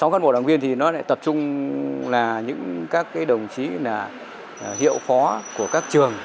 sáu cán bộ đảng viên thì nó lại tập trung là những các đồng chí là hiệu phó của các trường